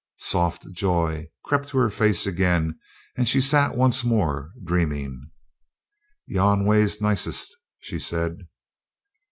Soft joy crept to her face again, and she sat once more dreaming. "Yon way's nicest," she said.